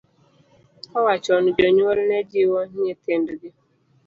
Koa chon jonyuol ne jiwo nyithindgi .